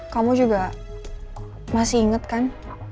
kamu juga masih inget kan